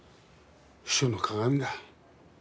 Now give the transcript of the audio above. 秘書の鑑だ。